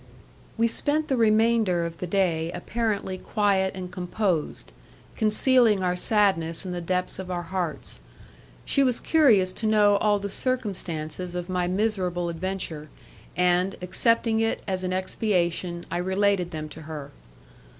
We spent the remainder of the day apparently quiet and composed, concealing our sadness in the depths of our hearts. She was curious to know all the circumstances of my miserable adventure, and, accepting it as an expiation, I related them to her.